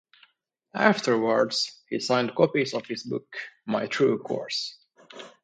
Afterwards, he signed copies of his book "My True Course".